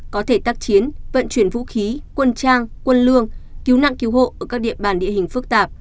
có thể tác chiến vận chuyển vũ khí quân trang quân lương cứu nạn cứu hộ ở các địa bàn địa hình phức tạp